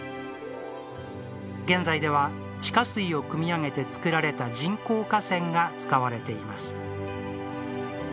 現在では、地下水をくみ上げて作られた人工河川が使われています。